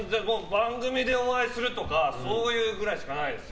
番組でお会いするとかそういうぐらいしかないです。